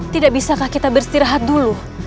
tidak bisakah kita beristirahat dulu